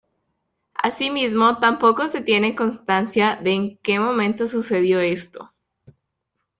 Así mismo tampoco se tiene constancia de en que momento sucedió esto.